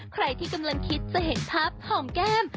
ใครที่กำลังคิดจะเห็นภาพของแก้ม